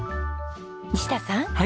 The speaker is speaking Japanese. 西田さん。